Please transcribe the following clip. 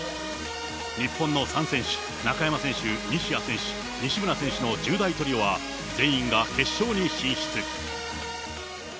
日本の３選手、中山選手、西谷選手、西村選手の１０代トリオは、全員が決勝に進出。